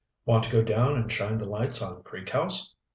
"Want to go down and shine the lights on Creek House?"